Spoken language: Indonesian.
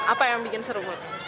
apa yang bikin seru